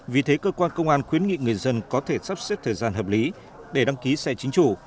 vì thế cơ quan công an khuyến nghị người dân có thể sắp xếp thời gian hợp lý để đăng ký xe chính chủ